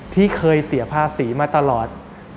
ที่เคยเสียภาษีมาตลอด